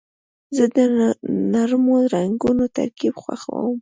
زه د نرمو رنګونو ترکیب خوښوم.